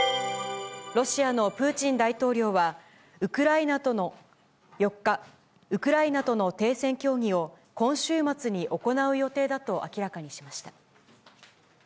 ロシアのプーチン大統領は、４日、ウクライナとの停戦協議を今週末に行う予定だと明らかにしました。